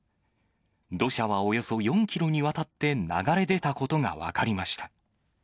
土砂はおよそ４キロにわたって流れ出たことが分かりました。